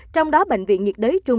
trong đó bệnh viện nhiệt đới trung